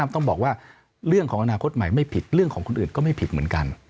ต้องบอกว่าเรื่องของอนาคตใหม่ไม่ผิดเรื่องของคนอื่นก็ไม่ผิดเหมือนกัน